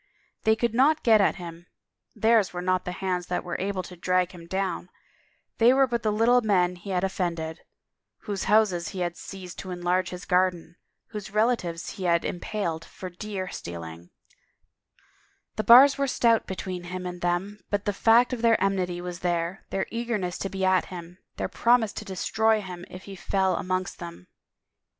They could not get at him, theirs were not the hands that were able to drag him down, they were but the little men he had offended, whose houses he had seized to enlarge his garden, whose relatives he had impaled for deer stealing; the bars were stout be tween him and them but the fact of their enmity was there, their eagerness to be at him, their promise to de stroy him if he fell amongst them.